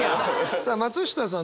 さあ松下さん